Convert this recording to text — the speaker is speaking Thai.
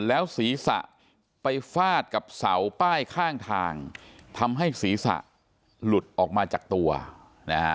แล้วศีรษะไปฟาดกับเสาป้ายข้างทางทำให้ศีรษะหลุดออกมาจากตัวนะฮะ